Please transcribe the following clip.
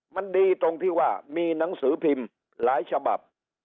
มันดีตรงที่ว่ามีหนังสือพิมพ์หลายฉบับ